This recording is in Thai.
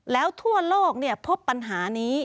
แล้วทั่วโลกพบปัญหานี้